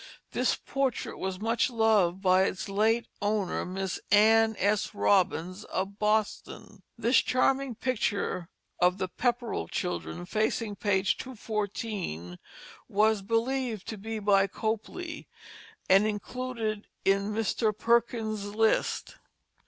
This portrait was much loved by its late owner, Miss Anne S. Robbins of Boston. This charming picture of the Pepperell children, facing page 214, was believed to be by Copley, and included in Mr. Perkins' list.